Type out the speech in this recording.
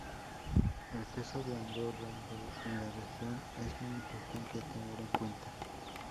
El peso de Andorra en la región es muy importante a tener en cuenta.